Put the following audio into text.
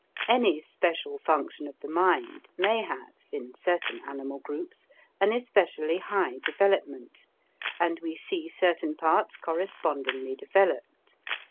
Any special function of the mind may have in certain animal groups an especially high development, and we see certain parts correspondingly developed.